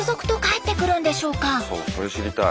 そうそれ知りたい。